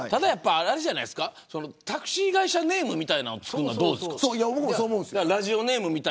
タクシー会社ネームみたいなものはどうですか。